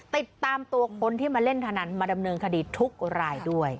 ติดตามตัวคนที่มาเล่นพนันมาดำเนินคดีทุกรายด้วย